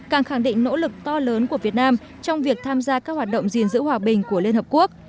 càng khẳng định nỗ lực to lớn của việt nam trong việc tham gia các hoạt động gìn giữ hòa bình của liên hợp quốc